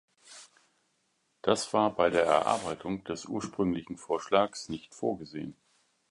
Das war bei der Erarbeitung des ursprünglichen Vorschlags nicht vorgesehen.